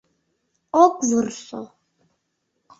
— Ок вурсо.